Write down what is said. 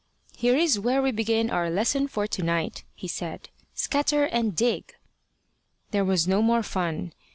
"Here is where we begin our lesson for to night," he said. "Scatter and dig." There was no more fun.